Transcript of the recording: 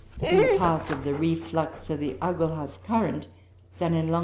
in the path of the reflux of the Agulhas current, than in long.